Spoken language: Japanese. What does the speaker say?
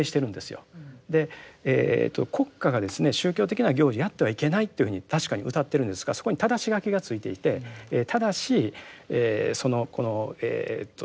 国家がですね宗教的な行事やってはいけないっていうふうに確かにうたっているんですがそこにただし書きが付いていてただしこの習俗とかですね